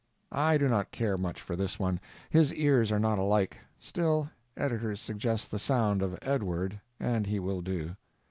I do not care much for this one; his ears are not alike; still, editor suggests the sound of Edward, and he will do.